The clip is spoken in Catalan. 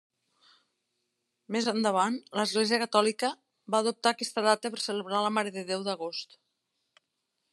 Més endavant, l'Església Catòlica va adoptar aquesta data per celebrar la Mare de Déu d'Agost.